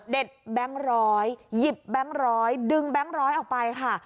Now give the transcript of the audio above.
เด็ดแบ้งร้อยหยิบแบ้งร้อยดึงแบ้งร้อยออกไปค่ะ